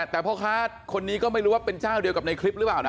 แต่พ่อค้าคนนี้ก็ไม่รู้ว่าเป็นเจ้าเดียวกับในคลิปหรือเปล่านะ